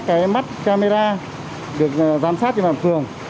thông qua các mắt camera được giám sát trên bàn phường